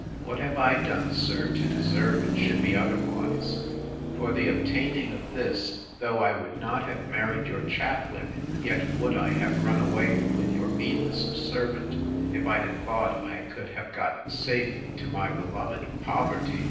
What have I done, sir, to deserve it should be otherwise? For the obtaining of this, though I would not have married your chaplain, yet would I have run away with your meanest servant, if I had thought I could have got safe to my beloved poverty.